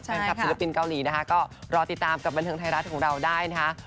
ศิลปินเกาหลีนะคะก็รอติดตามกับบันเทิงไทยรัฐของเราได้นะคะ